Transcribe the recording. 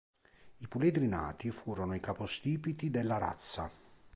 I puledri nati, furono i capostipiti della razza.